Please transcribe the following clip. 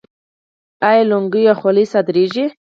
آیا لونګۍ او خولۍ صادریږي؟